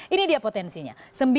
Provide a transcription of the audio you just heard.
ini dia potensinya